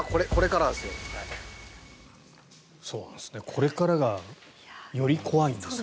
これからがより怖いんですね。